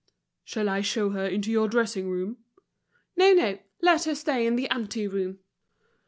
"Shall I show her into your dressing room?" "No, no. Let her stay in the ante room!"